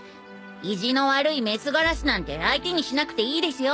意地の悪い雌鴉なんて相手にしなくていいですよ。